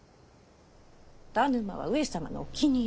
田沼は上様のお気に入り。